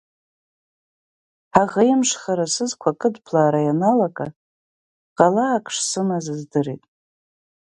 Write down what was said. Ҳаӷеимышхара сызқәа акыдблаара ианалага ҟалаак шсымаз здырит.